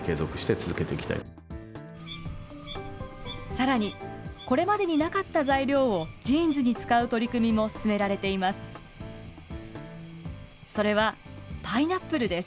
さらにこれまでになかった材料を、ジーンズに使う取り組みも進められています。